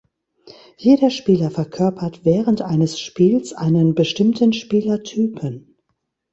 Jeder Spieler verkörpert während eines Spiels einen bestimmten Spielertypen.